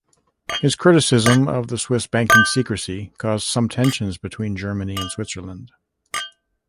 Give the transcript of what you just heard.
His criticism of the Swiss banking secrecy caused some tensions between Germany and Switzerland.